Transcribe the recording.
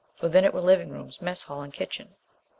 Within it were living rooms, mess hall and kitchen.